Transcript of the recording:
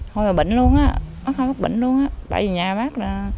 hôi mà bệnh luôn á nó không bệnh luôn á tại vì nhà bác là